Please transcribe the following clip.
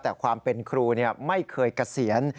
แต่ความเป็นครูไม่เคยเกษียณ